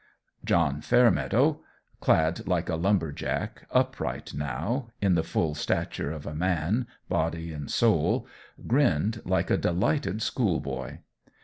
John Fairmeadow, clad like a lumber jack, upright, now, in the full stature of a man, body and soul, grinned like a delighted schoolboy.